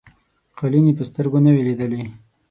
قالیني په سترګو نه وې لیدلي.